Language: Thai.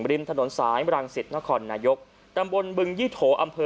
ริมถนนสายรังสิตนครนายกตำบลบึงยี่โถอำเภอ